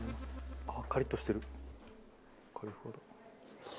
カリッとしてる。